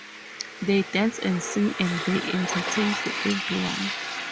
They dance and sing and they entertain for everyone.